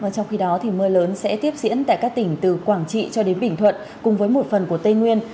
trong khi đó mưa lớn sẽ tiếp diễn tại các tỉnh từ quảng trị cho đến bình thuận cùng với một phần của tây nguyên